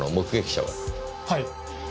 はい。